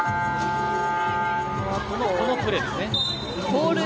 このプレーですね。